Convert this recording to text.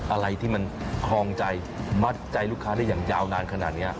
อะไรที่มันคลองใจมัดใจลูกค้าได้อย่างยาวนานขนาดนี้